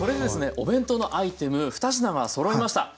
お弁当のアイテム２品がそろいました。